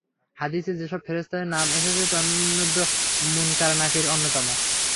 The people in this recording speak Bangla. হাদীসে যেসব ফেরেশতার নাম এসেছে তন্মধ্যে মুনকার নাকীর অন্যতম।